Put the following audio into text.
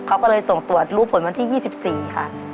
เขาก็เลยส่งตรวจรู้ผลวันที่๒๔ค่ะ